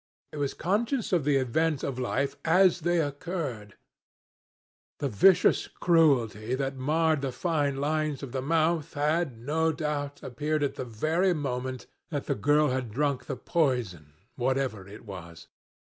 It was conscious of the events of life as they occurred. The vicious cruelty that marred the fine lines of the mouth had, no doubt, appeared at the very moment that the girl had drunk the poison, whatever it was.